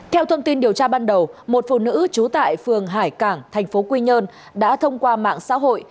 theo thông tin điều tra ban đầu một phụ nữ trú tại phường hải cảng thành phố quy nhơn đã thông qua mạng xã hội